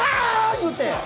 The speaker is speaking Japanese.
言うて。